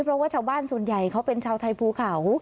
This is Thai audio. เพราะว่าชาวบ้านส่วนใหญ่เขาเป็นชาวไทยภูเขา